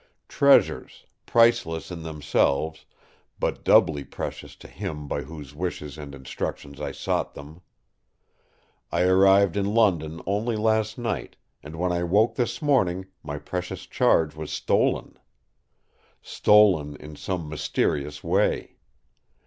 Treasures, priceless in themselves, but doubly precious to him by whose wishes and instructions I sought them. I arrived in London only last night, and when I woke this morning my precious charge was stolen. Stolen in some mysterious way.